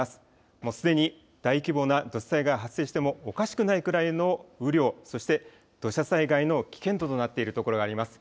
もうすでに大規模な土砂災害、発生してもおかしくないくらいの雨量、そして土砂災害の危険度となっている所があります。